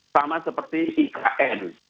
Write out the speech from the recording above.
sama seperti ikn